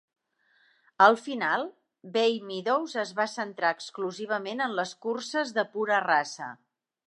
Al final, Bay Meadows es va centrar exclusivament en les curses de pura raça.